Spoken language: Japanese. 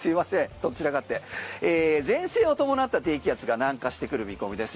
前線を伴った低気圧が南下してくる見込みです。